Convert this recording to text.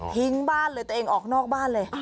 ทิ้งบ้านเลยตัวเองออกนอกบ้านเลย